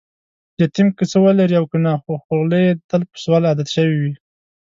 یتیم که څه ولري او کنه، خوخوله یې تل په سوال عادت شوې وي.